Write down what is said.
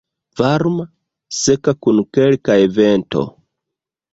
Varma, seka kun kelkaj vento.